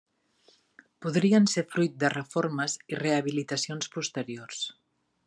Podrien ser fruit de reformes i rehabilitacions posteriors.